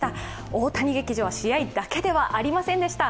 大谷劇場は試合だけではありませんでした。